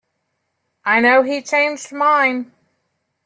I know he changed mine.